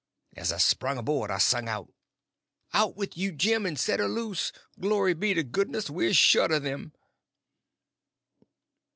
As I sprung aboard I sung out: "Out with you, Jim, and set her loose! Glory be to goodness, we're shut of them!"